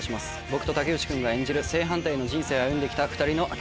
僕と竹内君が演じる正反対の人生を歩んで来た２人のアキラ。